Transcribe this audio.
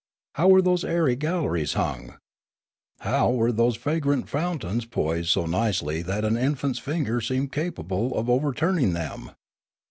How were those airy galleries hung ? How were those fragrant fountains poised so nicely that an infant's finger seemed capable of over turning them